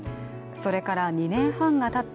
それから２年半がたった